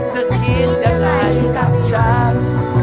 จะคิดอะไรกับฉัน